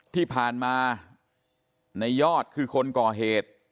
ที่ผ่านมาในยอดคือคนก่อเหตุ